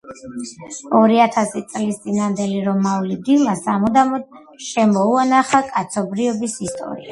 ორიათასი წლის წინანდელი რომაული დილა სამუდამოდ შემოუნახა კაცობრიობის ისტორიას.